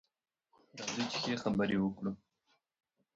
راځئ چې ښه خبرې وکړو.